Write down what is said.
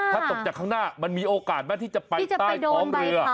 ถ้าตกจากข้างหน้ามันมีโอกาสไหมที่จะไปใต้ท้องเรือ